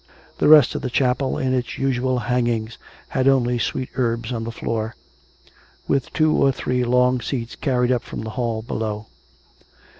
The rest of the chapel, in its usual hangings, had only sweet herbs on the floor; with two or three long seats carried up from the hall below.